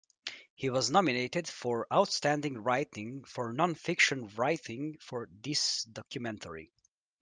He was nominated for outstanding writing for non-fiction writing for this documentary.